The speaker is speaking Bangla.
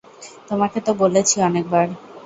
তোমাকে তো বলেছি অনেক বার।